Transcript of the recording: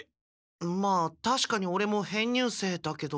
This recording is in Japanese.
まあたしかにオレも編入生だけど。